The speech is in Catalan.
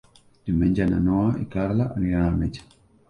Diumenge na Noa i na Carla aniran al metge.